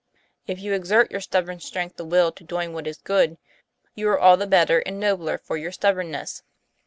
If you exert your stubborn strength of will to doing what is good, you are all the better and nobler for your stubbornness.